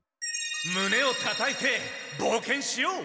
胸をたたいて冒険しよう。